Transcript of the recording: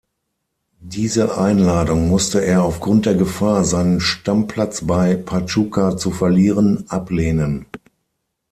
Diese Einladung musste er aufgrund der Gefahr, seinen Stammplatz bei Pachuca zu verlieren, ablehnen.